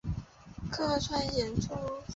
客串演出